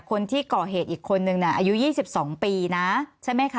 คนที่ก่อเหตุอีกคนนึงน่ะอายุ๒๒ปีนะใช่ไหมคะ